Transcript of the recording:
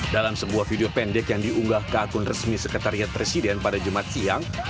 dalam sebuah video pendek yang diunggah ke akun resmi sekretariat presiden pada jumat siang